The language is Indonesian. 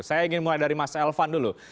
saya ingin mulai dari mas elvan dulu